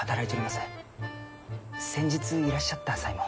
先日いらっしゃった際も。